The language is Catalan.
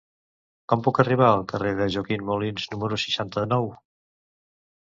Com puc arribar al carrer de Joaquim Molins número seixanta-nou?